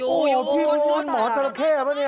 โอ้โฮพี่คุณมีหมอจราเข้แล้วเนี่ย